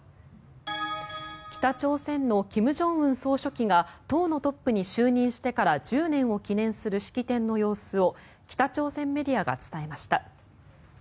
北朝鮮の金正恩総書記が党のトップに就任してから１０年を記念する式典の様子を北朝鮮メディアが伝えました。